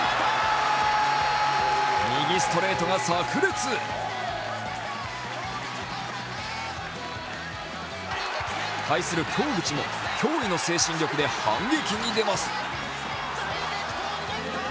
右ストレートがさく裂。対する京口も驚異の精神力で反撃に出ます。